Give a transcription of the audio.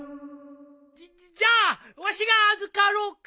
じじゃあわしが預かろうか？